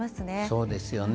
そうですよね。